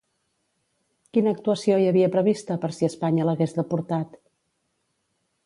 Quina actuació hi havia prevista per si Espanya l'hagués deportat?